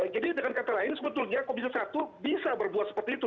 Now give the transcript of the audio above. jadi dengan kata lain sebetulnya komisi satu bisa berbuat seperti itu